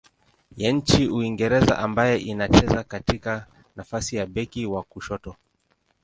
ya nchini Uingereza ambaye anacheza katika nafasi ya beki wa kushoto.